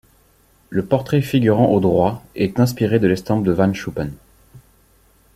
Le portrait figurant au droit est inspiré de l'estampe de Van Schuppen.